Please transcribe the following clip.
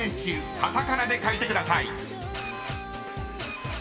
カタカナで書いてください］